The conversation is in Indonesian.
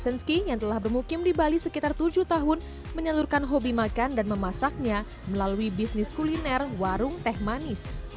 zensky yang telah bermukim di bali sekitar tujuh tahun menyalurkan hobi makan dan memasaknya melalui bisnis kuliner warung teh manis